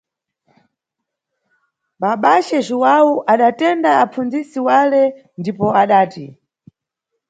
Babace Jhuwawu adatenda apfundzisi wale ndipo adati.